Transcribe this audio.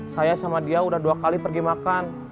saya sama dia udah dua kali pergi makan